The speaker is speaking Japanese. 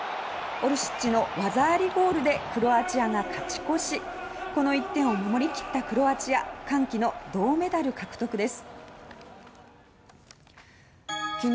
オルシッチの技ありゴールでこの１点を守り切ったクロアチア歓喜の銅メダル獲得です。